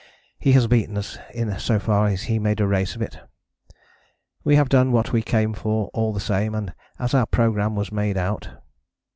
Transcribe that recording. He has beaten us in so far as he made a race of it. We have done what we came for all the same and as our programme was made out.